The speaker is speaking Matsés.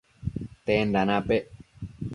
tenda napec?